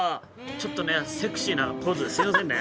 ちょっとねセクシーなポーズですみませんね。